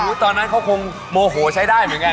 ว้าวตอนนั้นเขาคงโหใช้ได้เลยนะ